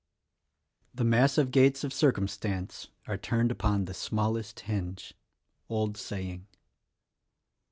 "The massive gates of circumstance Are turned upon the smallest hinge." — Old Saying.